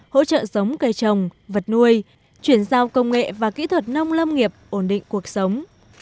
hỗ trợ giống cây trồng vật nuôi chuyển giao công nghệ và kỹ thuật nông lâm nghiệp ổn định cuộc sống